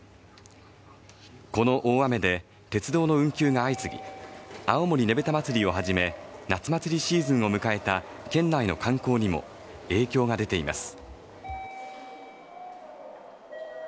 この大雨で鉄道の運休が相次ぎ青森ねぶた祭をはじめ夏祭りシーズンを迎えた県内の観光にも影響が出ています